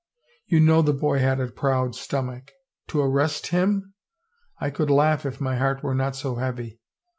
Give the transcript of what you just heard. You know the boy had a proud stomach! ... To arrest him! I could laugh if my heart were not so heavy.